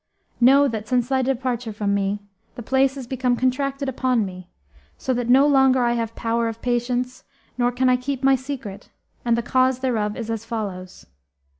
Know that, since thy departure from me, the place is become contracted upon me, so that no longer I have power of patience nor can I keep my secret: and the cause thereof is as follows.